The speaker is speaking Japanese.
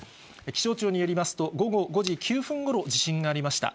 気象庁によりますと、午後５時９分ごろ、地震がありました。